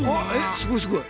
すごいすごい。